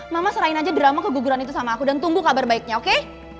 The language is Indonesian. mama serahin aja drama keguguran itu sama aku dan tunggu kabar baiknya oke